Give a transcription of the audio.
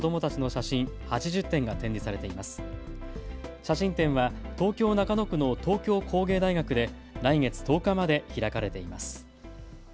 写真展は東京中野区の東京工芸大学で来月１０日まで開かれています。